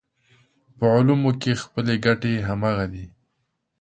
په علومو کې خپلې ګټې همغه دي.